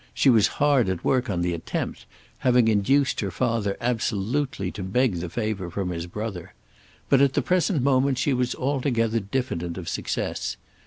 She was hard at work on the attempt, having induced her father absolutely to beg the favour from his brother. But at the present moment she was altogether diffident of success.